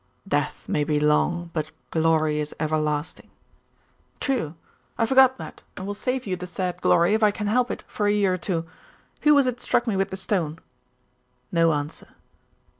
'Death may be long, but glory is everlasting.' 'True. I forgot that, and will save you the said glory, if I can help it, for a year or two. Who was it struck me with the stone?' No answer.